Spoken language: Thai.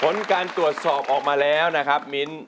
ผลการตรวจสอบออกมาแล้วนะครับมิ้น